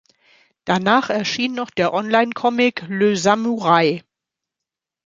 Danach erschien noch der Online-Comic "Lö-Samur-Ei".